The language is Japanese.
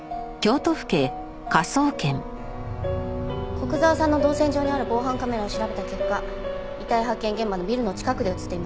古久沢さんの動線上にある防犯カメラを調べた結果遺体発見現場のビルの近くで映っていました。